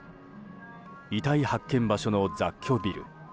遺体発見場所の雑居ビル。